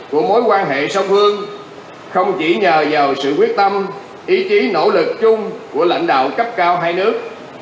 của mối quan hệ song phương không chỉ nhờ vào sự quyết tâm ý chí nỗ lực chung của lãnh đạo cấp cao hai nước